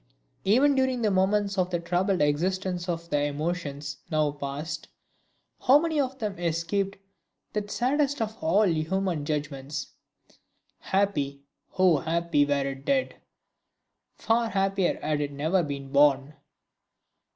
Even during the moments of the troubled existence of the emotions now past, how many of them escaped that saddest of all human judgments: "Happy, oh, happy were it dead! Far happier had it never been born!"